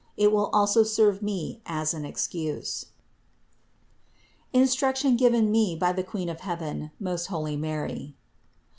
It will also serve me as an excuse. INSTRUCTION GIVEN ME BY THE QUEEN OF HEAVEN, MOST HOLY MARY.